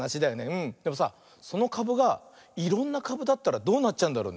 でもさそのかぶがいろんなかぶだったらどうなっちゃうんだろうね？